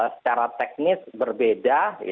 secara teknis berbeda